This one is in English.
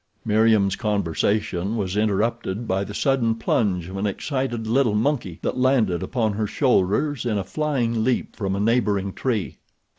Meriem's conversation was interrupted by the sudden plunge of an excited little monkey that landed upon her shoulders in a flying leap from a neighboring tree.